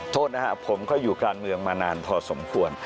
โทษนะครับผมก็อยู่การเมืองมานานพอสมควร